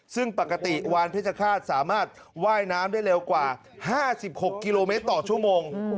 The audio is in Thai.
ซึ่งปกติวานเพชรฆาตสามารถว่ายน้ำได้เร็วกว่า๕๖กิโลเมตรต่อชั่วโมง